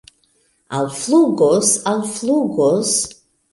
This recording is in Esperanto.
Alflugos, alflugos!